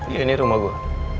iya ini rumah gue